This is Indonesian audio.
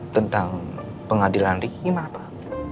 tentang pengadilan ri gimana pak